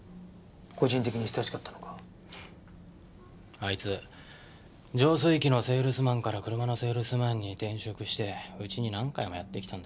あいつ浄水器のセールスマンから車のセールスマンに転職してうちに何回もやってきたんだ。